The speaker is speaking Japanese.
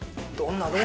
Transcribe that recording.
どんな？